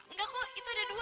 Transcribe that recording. enggak kok itu ada dua